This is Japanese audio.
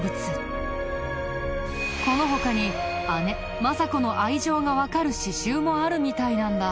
この他に姉政子の愛情がわかる刺繍もあるみたいなんだ。